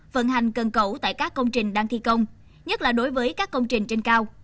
vận hành cân cẩu tại các công trình đang thi công nhất là đối với các công trình trên cao